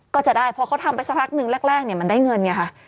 ก็จะได้เพราะเขาทำไปสักพักหนึ่งแรกมันได้เงินไงค่ะ